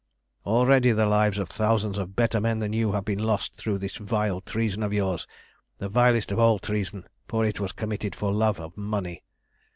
"Already the lives of thousands of better men than you have been lost through this vile treason of yours, the vilest of all treason, for it was committed for love of money.